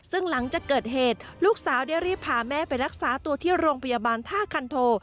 ซึ่งหลังจากเกิดเหตุลูกสาวได้รีบพาแม่ไปรักษาตัวที่โรงพยาบาลท่าคันโท